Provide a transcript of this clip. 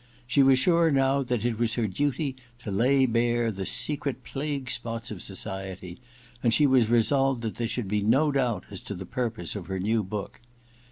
She was sure now that it was her duty to lay bare the secret plague spots of society, and she was resolved that there should be no doubt as to the purpose of her new book.